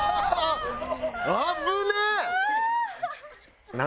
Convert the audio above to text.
危ねえ！